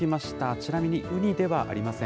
ちなみにウニではありません。